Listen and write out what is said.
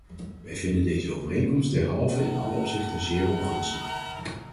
Wij vinden deze overeenkomst derhalve in alle opzichten zeer ongunstig.